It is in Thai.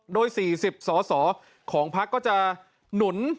โดย๔๐สอสอของภักดิ์ก็จะหนุน